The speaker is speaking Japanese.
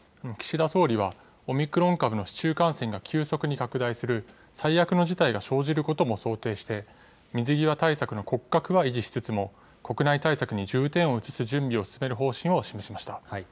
岸田総理は、オミクロン株の市中感染が急速に拡大する最悪の事態が生じることも想定して、水際対策の骨格は維持しつつも、国内対策に重点を移す準備を進める方針を示しました。